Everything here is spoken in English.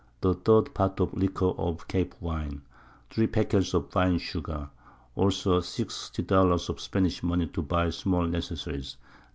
_ The Third part of a Leaguer of Cape Wine. 3 Peckel of fine Sugar. Also 60 Dollars of Spanish _Money to buy small Necessaries.